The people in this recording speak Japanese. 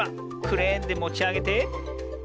クレーンでもちあげて。